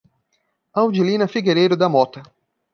Audilina Figueiredo da Mota